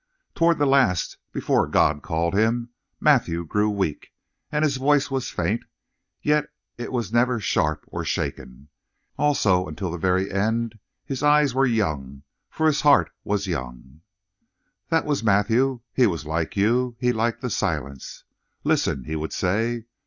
Toward the last, before God called him, Matthew grew weak, and his voice was faint, yet it was never sharp or shaken. Also, until the very end his eyes were young, for his heart was young. "That was Matthew. He was like you. He liked the silence. 'Listen,' he would say.